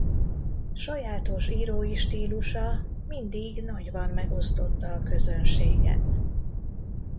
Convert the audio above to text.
Sajátos írói stílusa mindig nagyban megosztotta a közönséget.